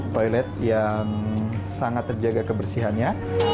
toilet yang sangat terjaga kebersihannya